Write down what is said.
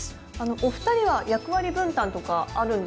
お二人は役割分担とかあるんですか？